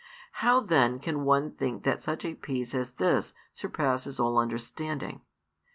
How then can one think that such a peace as this surpasses all understanding?